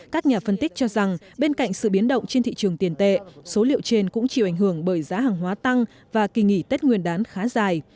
các nhà phân tích cho rằng bên cạnh sự biến động trên thị trường tiền tệ số liệu trên cũng chịu ảnh hưởng bởi giá hàng hóa tăng và kỳ nghỉ tết nguyên đán khá dài